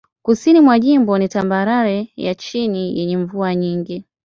Kusini mwa jimbo ni tambarare ya chini yenye mvua nyingi.